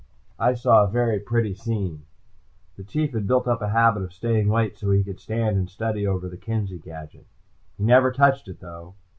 I saw a very pretty scene. The Chief had built up a habit of staying late so he could stand and study over the Kenzie gadget. He never touched it, though.